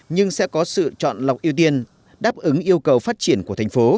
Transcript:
nhưng sẽ có sự chọn lọc ưu tiên đáp ứng yêu cầu phát triển của thành phố